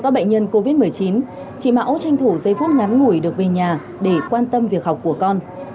chị mão tranh thủ giây phút ngắn ngủi được về nhà để quan tâm việc học của con